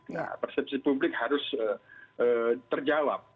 nah persepsi publik harus terjawab